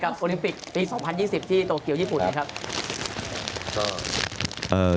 กับโอลิมปิกปี๒๐๒๐ที่โตเคียวญี่ปุ่น